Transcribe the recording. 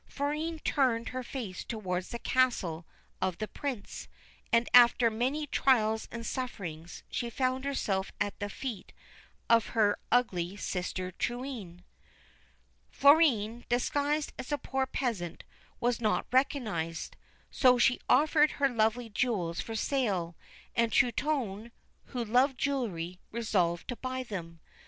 Florine turned her face towards the castle of the Prince, and, after many trials and sufferings, she found herself at the feet of her ugly sister Truitonne. Florine, disguised as a poor peasant, was not recognised, so she offered her lovely jewels for sale, and Truitonne, who loved jewellery, resolved to buy them.